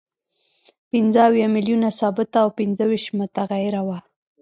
پنځه اویا میلیونه ثابته او پنځه ویشت متغیره وه